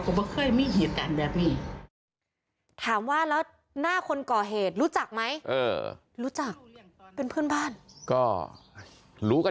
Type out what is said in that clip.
เธอบอกว่าเธอบอกว่าเธอบอกว่าเธอบอกว่าเธอบอกว่า